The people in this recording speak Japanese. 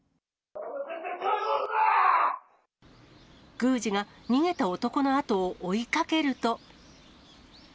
宮司が逃げた男の後を追いかけると。